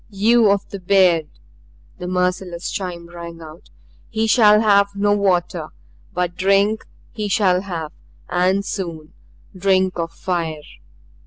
"You of the beard," the merciless chime rang out, "he shall have no water. But drink he shall have, and soon drink of fire!"